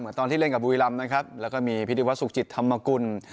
ตอนที่เล่นกับบุรีรำนะครับแล้วก็มีพิธีวัฒนสุขจิตธรรมกุล